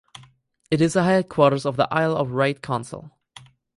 It is the headquarters of the Isle of Wight Council.